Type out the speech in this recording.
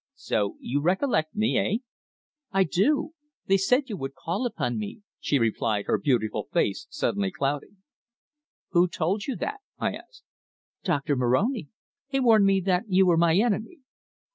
"So you recollect me eh?" "I do. They said that you would call upon me," she replied, her beautiful face suddenly clouding. "Who told you that?" I asked. "Doctor Moroni. He warned me that you were my enemy."